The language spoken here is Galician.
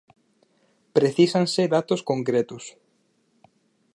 Precísanse datos concretos.